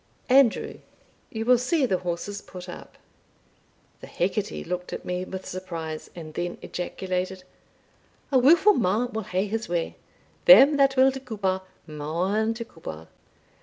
Andrew, you will see the horses put up." The Hecate looked at me with surprise, and then ejaculated "A wilfu' man will hae his way them that will to Cupar maun to Cupar!